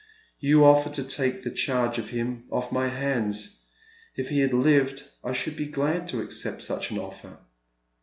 You offer to take the charge of him off my hands. If he bad lived I should be glad to accept such an offer."